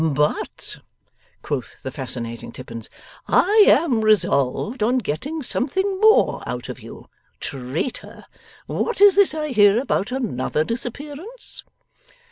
'But,' quoth the fascinating Tippins, 'I am resolved on getting something more out of you. Traitor! what is this I hear about another disappearance?